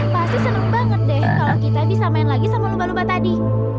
pasti seneng banget deh kalau kita bisa main lagi sama luba luba tadi